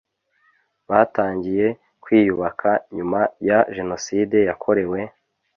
batangiye kwiyubaka nyuma ya Jenoside yakorewe